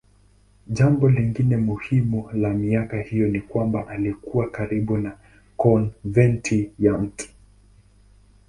Jambo lingine muhimu la miaka hiyo ni kwamba alikuwa karibu na konventi ya Mt.